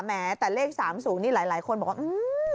แม้แต่เลข๓๐นี่หลายคนบอกว่าอืม